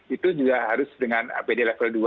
itu juga harus dengan apd level dua